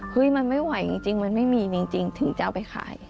มันไม่ไหวจริงมันไม่มีจริงถึงจะเอาไปขาย